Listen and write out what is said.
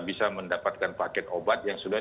bisa mendapatkan paket obat yang sudah